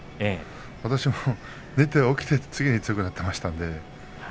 私も寝て起きたら強くなっていました。